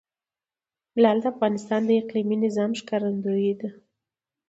لعل د افغانستان د اقلیمي نظام ښکارندوی ده.